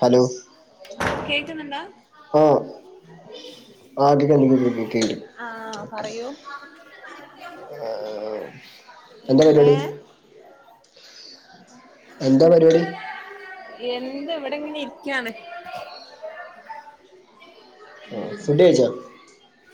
Hello. കേക്കുന്ന്ണ്ടോ. ആ കേക്ക്ന്ന്ണ്ട് കേക്ക്ന്ന്ണ്ട് പറയൂ [unintelligible] ആ എന്താ ഏ പരിപാടി എന്തോ പരിപാടി എന്ത് ഇവിടെ ഇങ്ങനെ ഇരിക്കാണ് ആ ഫുഡ് കഴിച്ചോ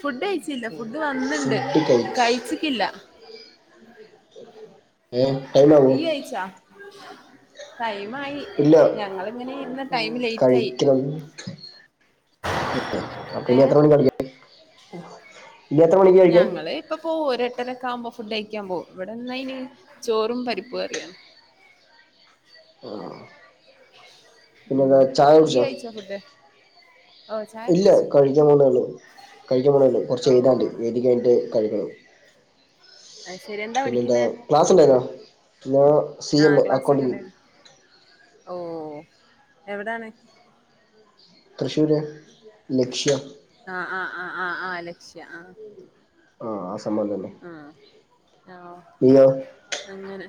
ഫുഡ് കഴിച്ചില്ല ഫുഡ് വന്ന്ണ്ട് ഫുഡ് കഴിച്ച് കഴിച്ചിക്കില്ല ഏ ടൈമോ ഇയ് കഴിച്ചോ ടൈമായി ഇല്ല ഞങ്ങളിങ്ങനെ ഇരുന്ന് ടൈമ് ലേറ്റായി ഏ ഏ അപ്പൊ ഏ ഇനി എത്ര മണിക്ക വിളിക്കണ്ടേ ഞങ്ങള് ഇപ്പം പോവും ഒര് എട്ടരൊക്കെ ആകുമ്പോ ഫുഡ് കഴിക്കാൻ പോവും ഇവിടെന്നാ അയ്ന് ചോറും പരിപ്പു കറിയാണ് ഉം പിന്നെന്താ ചായ ഈയ് കുടിച്ചോ കയച്ചോ ഫുഡ് ഓ ചായ ഇല്ല കുടിച്ചു കഴിക്കാൻ പോണേ ഉള്ളൂ കഴിക്കുൻ പോണേ ഉള്ളൂ കുറച്ച് കഴിഞ്ഞാൽ ഓ വി ളി കഴിഞ്ഞിട്ട് കഴിക്കണം അത് ശരി പിന്നെ എന്താ പഠിക്കുന്നേ ക്ലാസ് ഉണ്ടായിരുന്നോ ഞാൻ സി എം എ അക്കൗണ്ടിംഗ് ഓഹ് എവിടാണ് തൃശൂര് ലക്ഷ്യാ ആ ആ ആ ആ ആഹ് ലക്ഷ്യ ആ ആഹ് ആ സമ്മവം തന്നെ ആഹ് നീയോ അങ്ങനെ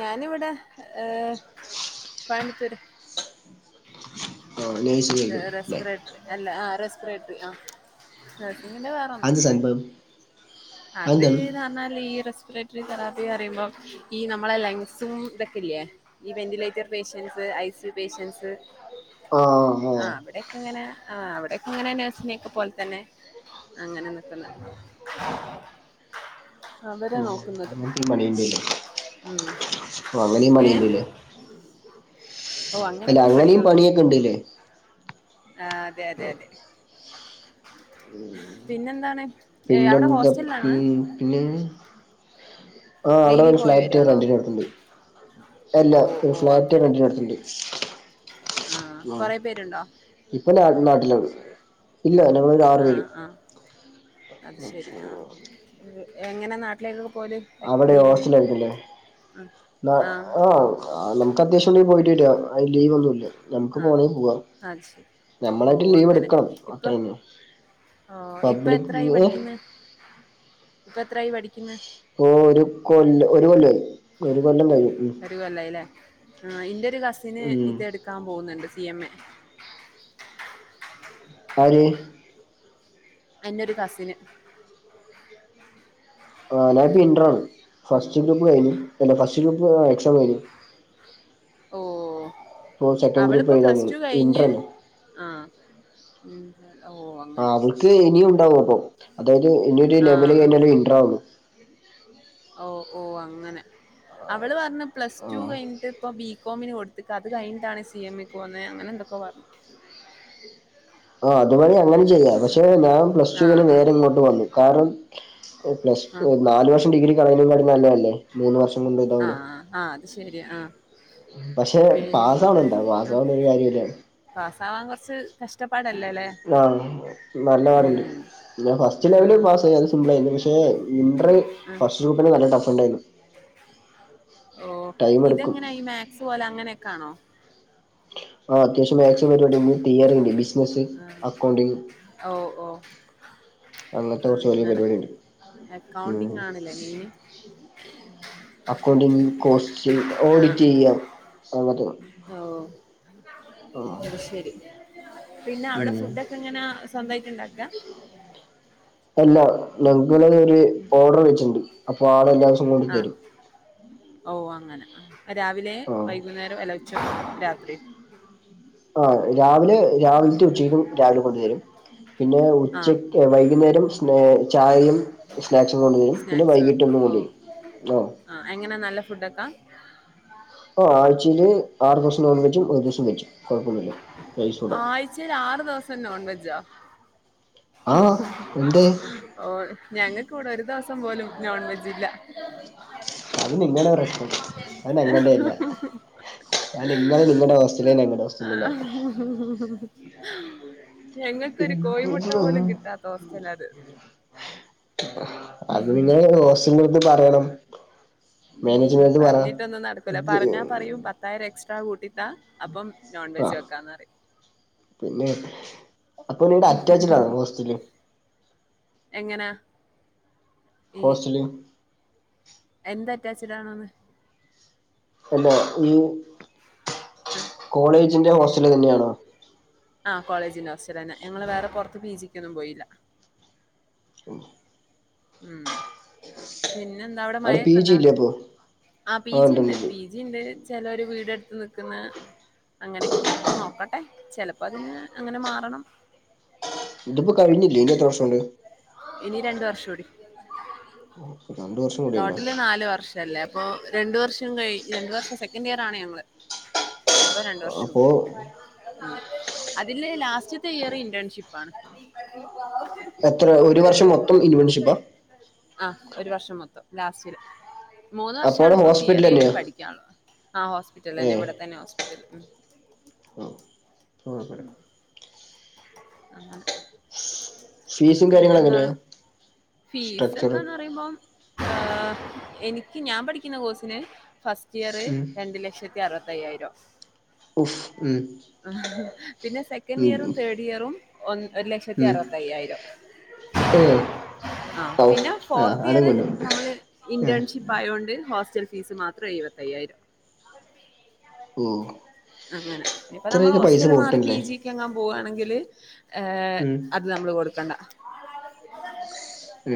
ഞാനിവിടെ ഏഹ് കോയമ്പത്തൂര് ആഹ് നഴ്സിംഗ് ആയിരിക്കും അല്ലേ റെസ്പറേറ്ററി അല്ല ആ റെസ്പറേറ്ററി ആ നഴസിങ്ങിന്റെ വേറൊന്ന് അത് സംഭവം അത് അതെന്താണ് താ എന്ന ഈ റെസ്പിറേറ്ററി കലാപ്പന്ന് പറയുമ്പോ ഈ നമ്മളെ ലെങ്സും ഇതൊക്കെല്ലേ ഈ വെന്റിലേറ്റർ പേഷ്യൻസ് ഐസു പേഷ്യൻസ് ആഹ് ആ ആഹ് അവിടെക്കെ ഇങ്ങനെ ആ അവിടെക്കെ ഇങ്ങനെ നഴ്സിനൊക്കെ പോലെ തന്നെ അങ്ങനെ നക്കുന്നു [inaudible] അവരാ നോക്കുന്നത് അങ്ങനത്തെ മണിയണ്ടല്ലേ ഉം അങ്ങനെ ഏഹ് മണിയണ്ടല്ലേ ഓ അല്ല അങ്ങനെയൊക്കെ അങ്ങനെയും പണികളുണ്ട് പണിയൊക്കെ ഉണ്ട്ല്ലേ ആ അതെ അതെ അതെ പിന്നെന്താണ് ഏ, അവിടെ പിന്നെന്താ ഹോസ്റ്റലിലാണ് പിന്നെ ആ അവിടെ ഡെയിലി ഒരു പോയി ഫ്ളാറ്റ് വരാണോ രണ്ടന് അടുത്തുണ്ട് അല്ല ഓ ഒരു ഓ ഫ്ലാറ്റ് അങ്ങനെ റെന്റിന് അടുത്തുണ്ട് ആ കൊറെ പേരുണ്ടോ ഇപ്പൊ നാട്ടിലാണ് ഇല്ല ഞങ്ങള് ആ ആഹ് അത് ശരി ആ എങ്ങനെ നാട്ടിലേക്കൊക്കെ പോല് വെക്- അവിടെ ലീവിന് ഹോസ്റ്റല ആയിരിക്കല്ലേ ആ ആ നമുക്ക് അത്യാവശ്യംണ്ടിൽ പോയിട്ടട്ട ആ ലീവ് ഒന്നു ല്ല നമുക്ക് ആ പോകണമെങ്കി പോവാാം അത് ശരി ഓ ഞമ്മളായിട്ട് ലീവ് അങ്ങനെ എടുക്കണം ഇപ്പൊ അത്രന്ന ഓ ഇപ്പ എത്രായി പഠിക്കുന്ന ഇപ്പ എത്രായി പഠിക്കുന്നെ ഓ ഒരു കൊല്ല ഒരു കൊല്ല കഴും ഒരു കൊല്ലം കഴിയും ല്ലേ അല്ലേ ഇന്റെ ഒരു കസിന് ഉം ഇത് എടുക്കാൻ പോകുന്നുണ്ട് സി എം എ അര് അന്റെ ഒരു കസിന് ആ ഇന്ററാണ് പ്പി ഇന്റർ ആണ് ഉം ഫസ്റ്റ് ഗ്രൂപ്പ് കഴിഞ്ഞു അല്ല ഫസ്റ്റ് ഗ്രൂപ്പ് എക്സാം കഴിഞ്ഞു ഓ ഇപ്പോ സെക്കൻഡ് ഗ്രൂപ്പ് അവളിപ്പോ എഴുതാൻ പ്ലസ് പോണ് ടു കഴിഞ്ഞ് ഇന്ററല്ലേ ആഹ് ഓ അങ്ങനെ ഇനിയണ്ടാവും അപ്പ അതായത് ഇനിരു ലെവൽ ആഹ് ആഹ് കഴിഞ്ഞ ഒരു ഇന്റർുന്നു ഓ ഓ അങ്ങനെ അവള് പറഞ് പ്ലസ് ടു ആഹ് കഴിഞ്ഞട്ട് ഇപ്പൊ ബി കോമിന് കൊടുത്ത്ക്ക അത് കഴിഞ്ഞിട്ടാണ് സി എം എ കോന്നെ അങ്ങനെ എന്തൊക്കാ പറഞ്ഞു ആഹ് അതുവഴി അങ്ങനെ ചെയ്യ പക്ഷെ ഞാൻ പ്ലസ് ആഹ് ടൂവിന് നേരെ ഇങ്ങോട്ട് വന്നു കാരണം പ്ലസ് ആഹ് നാല് വർഷം ഡിഗ്രി കളയുന്ന കട നല്ല അല്ലേ ആഹ് ആഹ് അത് ശരി ആഹ് പക്ഷെ മെയിന് പാസവണട്ട പാസാവാണ്ട് ഒരു കാര്യംല്ല പാസാവാൻ കുറച്ച് ആഹ് നല്ലരുണ്ട് ഉം ഞാൻ ഫസ്റ്റ് ലെവല് ആഹ് പാസ് ആയി അത് സിപിൾ ആയിരുന്ന പക്ഷെ ക്ഷേ ഇൻ്റർ ആഹ് ഫസ്റ്റ് ഗ്രൂപ്പിന് നല്ല ടഫ് ഉണ്ടായിരുന്നു ടൈം എടുക്കും സോല അങ്ങനെയൊക്കെണോ ആഹ് അത്യാവശ്യം മാക്സും വരുന്നുണ്ട് പിന്നെ തിയറിണ്ട് ബിസ് അത്യാവശ്യം അക്കൗണ്ടിങ്ങും ഓ ഓ അങ്ങനത്തെ കുറച്ച് വലിയ അങ്ങനെ പരിപാടിണ്ട് ഉം അക്കൗണ്ടിങ് ആണല്ലേ മെയിന് അക്കൗണ്ടിങ് കോസ്റ്റിങ് ആഹ് ഓഡിറ്റ് ചെയ്യാം അങ്ങത്തെ ഓ അത് ശരി പിന്നെ അവടെ ഉം ഫുഡ് ഒക്കെ എങ്ങന സ്വന്തായിട്ട് ഇണ്ടാക്കാ അല്ല ഞങ്ങക്ക് ഇങ്ങനെ ഒരു ഓർഡർ വെച്ചിണ്ട് അപ്പൊ ആള് എല്ലാ ദിവസം കൊണ്ട് ആഹ് തരും ഓ അങ്ങനെ ആഹ് രാവിലെ ആഹ് വൈകുന്നേരം അല്ല ഉച്ചക്കും രാത്രിം ആഹ് രാവിലെ രാവിലത്തെ ഉച്ചക്കും രാവിലെ കൊണ്ടു തരും പിന്നെ ഉച്ച ആഹ് ഏ വൈകുന്നേരം ഏ ചായയും സ്നാക്സും കൊണ്ടുവരും പിന്നെ വൈകിട്ട് ഒന്നും കൊണ്ടുവരും ആഹ് ആഹ്‌ എങ്ങന നല്ല ഫുഡൊക്കാ പ്പോ ആഴ്ചയില് ആറു ദിവസം നോൺ വെജും ഒരു ദിവസം വെജും കൊഴപ്പോന്നുല്ല നൈസ് ഫുഡ ച്ച് രാറ് ദിവസം നോൺ വെജാ ആഹ് എന്തേ ഓ ഞങ്ങക്കിവിട ഒരു ദെവസം പോലും നോൺ വെജില്ല അത് നിങ്ങടെ പ്രശ് അത് നിങ്ങള് നിങ്ങളുടെ ഹോസ്റ്റലില് ഞങ്ങളുടെ ഹോസ്റ്റലില്ല ഞങ്ങക്കൊരു കോയിമുട്ട പോലും കിട്ടാത്ത ഹോസ്റ്റലാത് അത് നിങ്ങള് ഹോസ്റ്റന്റടുത്ത് പറയണം ഉം മാനേജ്മെന്റ് പറ പറഞ്ഞിട്ടൊന്നും നടക്കൂല ഇത് പറഞ്ഞാ പറയും പ ത്തായിരം എക്സ്ട്രാ കൂട്ടിതാ അപ്പം നോൺ വെജ് ആഹ് വെക്കാന്ന് പറയും പിന്നെ അപ്പൊ നിങ്ങക്ക് അറ്റാച്ച്ഡ് ആണോ ഹോസ്റ്റല്? എങ്ങനാ ഈ ഹോസ്റ്റല് എന്ത് അറ്റാച്ച്ഡ് ആണോന്ന്? അല്ലാ ഈ കോളേജിന്റെ ഹോസ്റ്റല് തന്നെയാണോ? ആഹ് കോളേജിന്റെ ഹോസ്റ്റലന്ന ഞങ്ങള് വേറെ പൊറത്ത് പി ജിക്കൊന്നും പോയില്ല ഉം പിന്നെന്താ അവിട അവിടെ പി ജി മയൊക്കെണ്ടാ ഇല്ലേ അപ്പൊ ആഹ്‌ പി ആ ജിയിണ്ട് ഉണ്ട്ണ്ട് പി ജിണ്ട് ചെലോര് വീടെടുത്ത് നിക്കുന്ന് അങ്ങനെകണ് നോക്കട്ടെ ചെലപ്പ അതിന്ന് അങ്ങനെ മാറണം ഇതിപ്പോ കഴിഞ്ഞില്ലേ ഇനി എത്ര വർഷൊണ്ട് ഇനി രണ്ട് വർഷൂടി രണ്ട് വർഷം കൂടി ഉണ്ടോ ടോട്ടല് നാല് വർഷം ചെലപ്പോ രണ്ടു വർഷം കയി രണ്ട് വർഷം സെക്കൻഡ് ഇയർ ആണ് ഞങ്ങള് ഇനിപ്പ രണ്ട് വർഷം അപ്പോ കൂടി അതില് ലാസ്റ്റത്ത ഇയറ് ഇന്റേൺഷിപ്പാണ് എത്ര ഒരു വർഷം മൊത്തം ഇന്റേൺഷിപ്പാ ആഹ് ഒരു വർഷം മൊത്തം ലാസ്റ്റില് മൂന്ന് അപ്പോ അവിടെ വർഷണിപ്പം ഹോസ്പിറ്റൽ തിയറിയായിട്ട് തന്നെയാ പഠിക്കാനുള്ളൂ ആ ഏ ഹോസ്പിറ്റലിലന്നെ ഇവിടെ തന്നെ ഹോസ്പിറ്റൽ കുഴപ്പമില്ല. [inaudible] ആഹ് അങ്ങനെ ഫീസും കാര്യങ്ങളും എങ്ങനെയാ സ്ട്രക്ചർ ഫീസക്കാന്ന് പറയുമ്പം ഹെ എനിക്ക് ഞാൻ പഠിക്കുന്ന കോഴ്സിന് ഫസ് ഇയറ് ഉം രണ്ട് ലക്ഷത്തി അറുവത്തയ്യായിരം ഓഹു മ്മ് പിന്നെ സെക്കൻഡിയറും തേർഡ് ഇയറും ഒന്ന് ഒരു ലക്ഷത്തി അറുവത്തയ്യായിരം ഹെ ആഹ്‌ പിന്ന ഫോർത്ത് ഇയറ് നമ്മള് ഏ ഇന്റേൺഷിപ്പായോണ്ട് ഹോസ്റ്റൽ ഫീസ് മാത്രം എഴുപത്തയ്യായിരം ഓ അങ്ങന ഇപ്പ നമ്മള് ഇത്രയൊക്കെ പൈസ ഹോസ്റ്റല് മാറി പി പോട്ടുണ്ടല്ലേ ജി ക്കെങ്ങാൻ പോവാണെങ്കില് ഏഹ് ഉം അത് നമ്മള് കൊടുക്കണ്ട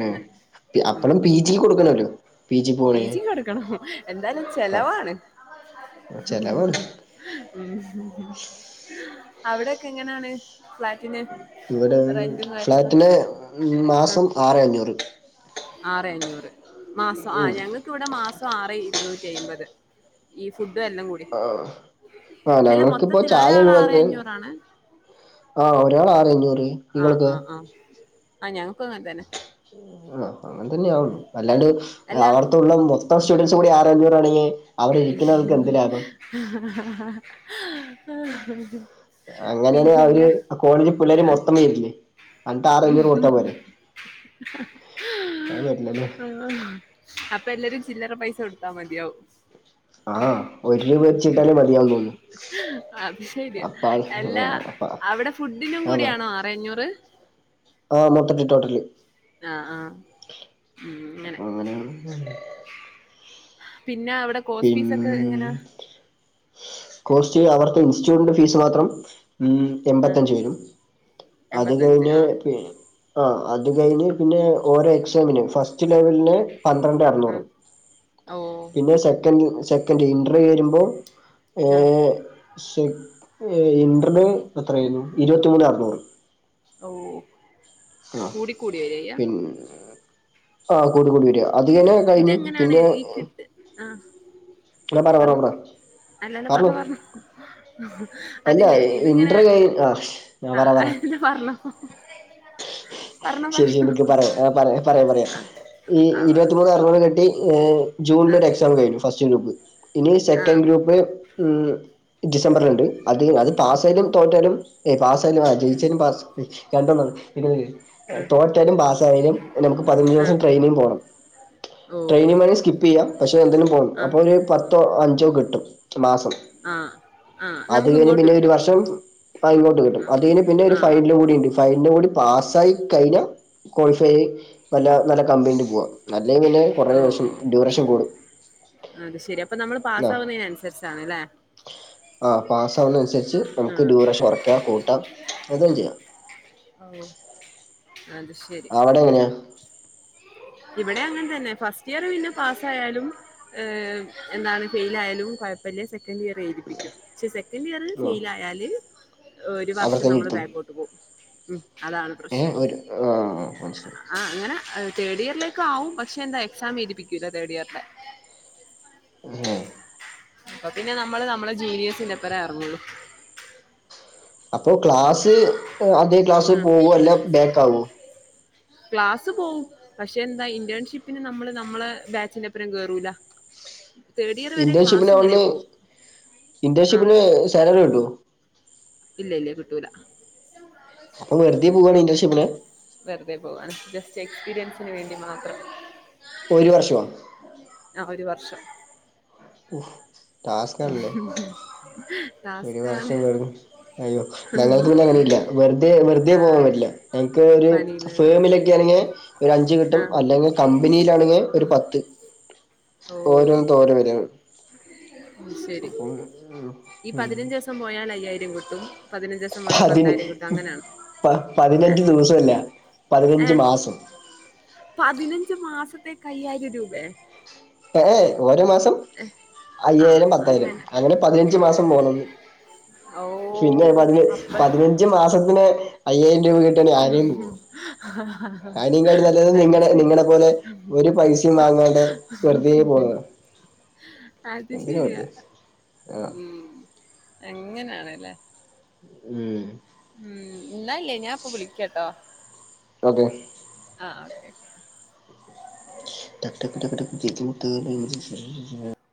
അങ്ങനെ അപ്പഴും പി ജി കൊടുക്കണല്ലോ പി ജി കൊടുക്കണം എന്താലും ആ ചെലവാണ് ചെലവാണ് അവിടെക്കെ എങ്ങനാണ് ഫ്ലാറ്റിന് ഇവിടെ റെന്റും കാര്യമൊക്കെ ഫ്ലാറ്റിന് മാസം ആറേ അഞ്ഞൂറ് ആറേ അഞ്ഞൂറ് മാസം ഉം ആഹ്‌ ഞങ്ങ ക്കിവിടെ മാസം ആറേ ഇരുന്നൂറ്റയിമ്പത് ഈ ഫുഡും എല്ലാം കൂ ആഹ്‌ ആഹ്‌ ഞങ്ങക്കിപ്പോ ഒരാൾ ആറ് ചായയുള്ളത് അഞ്ഞൂറാണ് ആഹ്‌ ഒരാൾ ആറേ അഞ്ഞൂറ് ആ നിങ്ങൾക്ക് ആ ആ ആ ഞങ്ങക്കും അങ്ങനെ തന്നെ ആഹ്‌ അങ്ങനെ തന്നെയാവും ഉം. അല്ലാണ്ട് അല്ല ഏഹ് അവിടുത്തുള്ള മൊ ത്തം സ്റ്റുഡൻറ്സ് കൂടി ആറ്ഞ്ഞറ്ണെങ്കിൽ അവടെ ഇരിക്കുന്ന ആൾക്ക് എന്ത് ലാഭം [unintelligible] അങ്ങനെയാണെങ്കിൽ അവര് പിന്നെ കോളേജിൽ പിള്ളേര് മൊത്തം വരില്ലേ [unintelligible] ആരെ അഞ്ചൂറ് കൊടുത്താ പോരെ [unintelligible] അത് വല്ലല്ലോ ആഹ് അപ്പൊ എല്ലാരും ചില്ലറ പൈസ കൊടുത്താ മതിയാവും ആ ഒരു രൂപ വെച്ചിട്ടാലേ മതിയാവുന്ന് തോന്നുന്നു അത് ശരിയാ അപ്പ ആള് എല്ലാ അപ്പ അവിടെ ഫുഡിനും ആ കൂടിണോ ആരെ അഞ്ഞൂറ് ആഹ മൊത്തത്തില് ടോട്ടല് ആഹ ആഹ ഉ അങ്ങനെ അപ്പ അങ്ങനെയാണ് പിന്നെ അവിടെ പിൻ കോസ്ഫീസ് ഒക്കെ എങ്ങനാ കോഴസ്റ്റ് അവർത്തെ ഇൻസ്റ്റിറ്റ്യൂട്ടിന്റെ ഫീസ് മാത്രം ഉ ആ എൺപത്തഞ്ച് വരും അത് എൺപത്തഞ്ച് കഴിഞ് ആ പി ആ അത് കഴിഞ്ഞ് പിന്നെ ഓരോ എക്സാമിനും ഫസ്റ്റ് ഫാസ്റ്റ് ലെവലിന് പന്ത്രണ്ട് ആ അറുന്നൂറ് ഓ പിന്നെ സെക്കൻ് സെക്കൻഡ് ഇന്റർവ്യൂ വരുമ്പോൾ ആ ഏെ ശേ ഇന്റർന് ഏത്രയരുന്നു ഇരുപത്തി മൂന്ന് അറനൂറ് ഓ ആ കൂടിക്കൂടി വരിയ്യ ആഹ കൂടിക്കൂടി വരിയാ അത്ങ്ങനെ കഴിഞ്ഞു പിന്നെ ആഹ ആ പറ പറ പറഞ്ഞോ പറ അല്ലല്ല പറഞ്ഞോ പറഞ്ഞ അല്ല അതില്ല ഇതിങ്ങനെ ഇന്റർ കഴി ആ പറ ആ പറ ല്ലെ പറന്നെ ശരി ശരി നിക്ക് പറയാ അഹ് പറയാ പറയാ പറയാം ആ ഈ ആ പറ ഇരുപത്തിമൂന്ന് അറണൂൾ കെട്ടി ജൂണില ആ ഒരു എക്സാം കഴിഞ്ഞു ഫസ്റ്റ് ഗ്രൂപ്പ് ഇനി ആ സെക്കൻഡ് ആ ഗ്രൂപ്പ് മ് ഡിസംബറിലുണ്ട് അത് അത് പാസലും തോറ്റാലും ഏ പാസലും ആ ജയിച്ചലും പാ കറന്റ് വന്നക്കുന്നു നിക്ക് നിക്ക് എഹ് തോറ്റാലും പാസായാലും നമുക്ക് പതിനഞ്ച് ആ ആ ദിവസം ട്രെയിനിംഗ് പോണം. ഓ ട്രെയിനിംഗ് മണി സ്കിപ്പിയ്യാം പക്ഷെ എന്തിനും പോ. ആ അപ്പോ ഒരു പത്തോ അഞ്ചോ കിട്ടും. മാസം ആ ആ അത് നമുക്ക് കഴിഞ്ഞ് ഇങ്ങോട്ട് പിന്നെ ഒരു കിട്ടും വർഷം ആഹ് ഇങ്ങോട്ട് കിട്ടും. ആ അത് കഴിഞ്ഞ് പിന്നെ ഒരു ആ ആ ഫൈനലും കൂടി ണ്ട്. ഫൈനലും കൂടി പാസ്സായി കൈഞ്ഞാ ക്വാളിഫൈ നല്ല നല്ല കമ്പനീല് പോവാ. അല്ലെങ്കി പിന്നെ കുറേ വെഷം ഓ ഡ്യൂറേഷൻ കൂടും അത് ശെരി. അപ്പൊ നമ്മള് പാസ്സാവുന്നേന് അനുസരിച്ചാണ്ല്ലേ ആഹ് പാസാവുന്ന അനുസരിച്ച് നമുക്ക് ആഹ് ഡ്യൂറേഷ കുറയ്ക്കാം കൂട്ടാം എന്തും ചെയ്യാം ഔഹ് അത് ശരി വടെ എങ്ങനെയാ? ഇവിടെ അങ്ങൻ തന്നെ. ഫസ്റ്റ് ഇയർ പിന്നെ പാസ്സായാലും ഏഹ് എന്താണ് ഫെയ്ലായാലും കൊഴപ്പല്ല്യ സെക്കൻഡ് ഇയർ എയ്തിപ്പിക്കും. പക്ഷെ സെ ക്കൻ്റിയറ് ആ ഫെയ്ലായാല് ഒരു അവിടെ വർഷം തന്നെ നമ്മള് ഇരുത്തും ബാക്കോട്ട് പോവും ഉം അതാണ് ഏ പ്രശ്നം ഒരു ആ മനസ്സിലായി ആഹ് അങ്ങനെ തേർഡ് ഇയർലേക്കാവും. പക്ഷെ എന്താ എക്സാം എഴ്തിപ്പിക്കൂല തേർഡ് ഇയർൻ്റെ ഏ അപ്പ പിന്നെ നമ്മള് നമ്മളെ ജൂനിയേഴ്സിന്റെ ഒപ്പരേ എറങ്ങൊള്ളു. അപ്പോ ക്ലാസ് അതേ ക്ലാസ് ഉം പോവോ അല്ല ബേക്കാവോ ക്ലാസ് പോവും പക്ഷെ എന്താ ഇന്റേൺഷിപ്പിന് നമ്മള് നമ്മളെ ബാച്ചിന്റെപ്പരം കേറൂല തേർഡ് ഇയർ വരെ ക്ലാസ് ഇന്റേൺഷിപ്പിന് ഇങ്ങനെ പോവും ആഹ് ഏഹ് സാലറി കിടോ ഇല്ല ഇല്ല്യ കിട്ടൂല അപ്പം വെറുതെ പോവാണ് ഇൻ്റർഷിപ്പിന് വെറുതെ പോവാണ് ജസ്റ്റ് എക്സ്പീരിയൻസിന് വേണ്ടി മാത്രം ഒരു വർഷവോ ആഹ് ഒരു വർഷം ഓഹ് ടാസ്ക്കാണല്ലേ ഒരു ടാസ്കാണ് വർഷം എടുക്കും അയ്യോ ഞങ്ങൾക്ക് പിന്നെ അങ്ങനയില്ല. വെറുതെ വെറുതെ ആ പോവാൻ പറ്റില്ല ഞങ്ങക്ക് ഒരു പണിയില്ലല്ലേ ഫേമിലേകെറങ്ങിയാ ഒരഞ്ച് ആ കിട്ടും അല്ലെങ്കി കമ്പിനിയിലാണെങ്കി ഒരു പത്ത് ഓരോന്നത്ത് ഓരോ വരവ് ഉം ശെ [unintelligible] ഉം [unintelligible] പോയാൽ അയ്യായിരം കിട്ടും പതിനഞ്ച് ദിവസം പോയാൽ ഹതിന് പത്തായിരം കിട്ടും അങ്ങനെയാണ് പ ഏ പതിനഞ്ച് ദിവസല്ല ഏ പതിനഞ്ച് മാസം പതിനഞ്ച് മാസത്തേക്ക് അയ്യായിരം രൂപേ ഏഹേ ഓരോ മാസം ഏഹ് അയ്യായിരം പത്തായിരം അങ്ങനെ പതിനഞ്ച് ഓ മാസം പോണംന്ന് ഓ പിന്നെ വന്ന് അപ്പ പതിനഞ്ച് മാസത്തിന് അയ്യായിരം രൂപ കി ട്ടന് ആരേം പോവോ? അയിനെക്കാട്ടിം നല്ലത് അത് നിങ്ങടെ ശരി നിങ്ങളെ പോലെ ഒരു പൈസിം വാങ്ങാണ്ടേ ഹ് ഹ് ഹി അത് എന്തിനാ ശരിയാ വെറുതെ ആഹ് ഉം അങ്ങനാണല്ലേ ഉം ഉം ന്നാ ല്ലേ ഞാൻ ഇപ്പൊ വിളിക്ക്യട്ടോ ഓക്കെ ആഹ് ഓക്കെ [unintelligible]